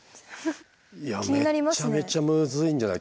いやめっちゃめちゃむずいんじゃない。